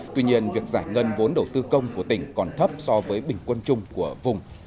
tuy nhiên việc giải ngân vốn đầu tư công của tỉnh còn thấp so với bình quân chung của vùng